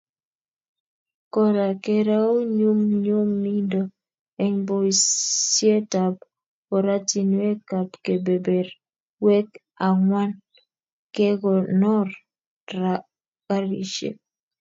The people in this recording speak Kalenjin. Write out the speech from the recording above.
Kora koreu nyumnyumindo eng boisyetab oratinweekab kebeberweek ang'wan, kekonor garisyek.